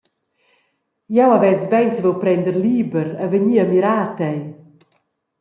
Jeu havess bein saviu prender liber e vegnir a mirar tei.